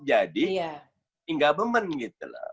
jadi government gitu loh